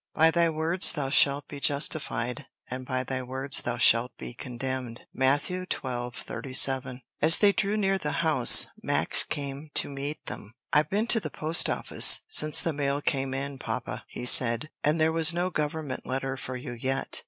"By thy words thou shalt be justified, and by thy words thou shalt be condemned." Matt. 12:37. As they drew near the house Max came to meet them. "I've been to the post office since the mail came in, papa," he said, "and there is no government letter for you yet.